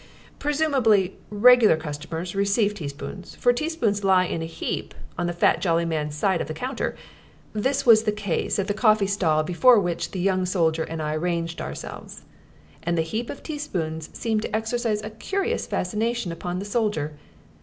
Presumably regular customers receive teaspoons, for teaspoons lie in a heap on the fat, jolly man's side of the counter. This was the case at the coffee stall before which the young soldier and I ranged ourselves. And the heap of teaspoons seemed to exercise a curious fascination upon the soldier.